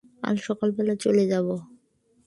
কাল সকালবেলা চলে যাব।